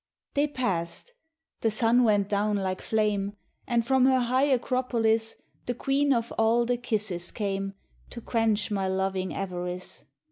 They passed ; the sun went down like flame, And from her high acropolis The queen of all the kisses came To quench my loving avarice.